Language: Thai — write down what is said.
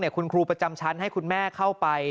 คุณครูประจำชั้นให้คุณแม่เข้าไป